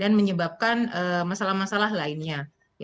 dan menyebabkan masalah masalah lainnya